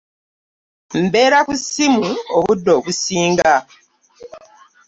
Mbeera ku ssimu obudde obusinga.